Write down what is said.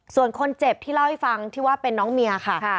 ส่วนคนเจ็บที่เล่าให้ฟังที่ว่าเป็นน้องเมียค่ะ